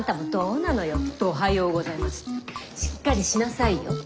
しっかりしなさいよ。